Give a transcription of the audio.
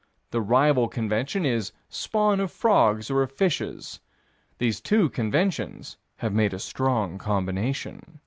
The rival convention is "spawn of frogs or of fishes." These two conventions have made a strong combination.